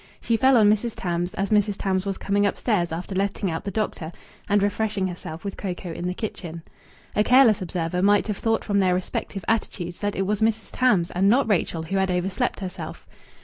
She fell on Mrs. Tams as Mrs. Tams was coming upstairs after letting out the doctor and refreshing herself with cocoa in the kitchen. A careless observer might have thought from their respective attitudes that it was Mrs. Tarns, and not Rachel, who had overslept herself.